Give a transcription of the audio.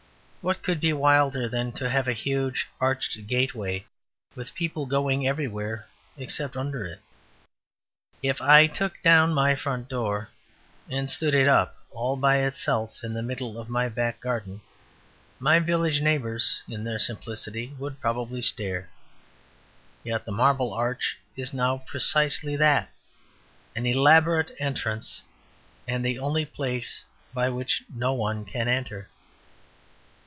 What could be wilder than to have a huge arched gateway, with people going everywhere except under it? If I took down my front door and stood it up all by itself in the middle of my back garden, my village neighbours (in their simplicity) would probably stare. Yet the Marble Arch is now precisely that; an elaborate entrance and the only place by which no one can enter.